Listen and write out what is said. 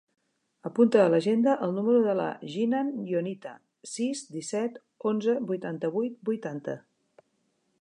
Apunta a l'agenda el número de la Jinan Ionita: sis, disset, onze, vuitanta-vuit, vuitanta.